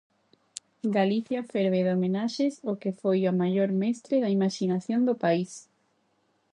Galicia ferve de homenaxes ó que foi o maior mestre da imaxinación do país.